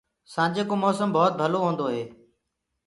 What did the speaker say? سآنجي ڪو موسم ڀوت ڀلو هوندو هي۔